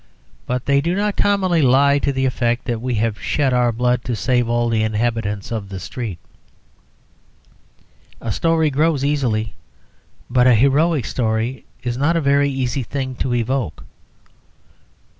But they do not commonly lie to the effect that we have shed our blood to save all the inhabitants of the street. A story grows easily, but a heroic story is not a very easy thing to evoke.